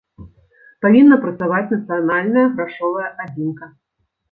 Павінна працаваць нацыянальная грашовая адзінка.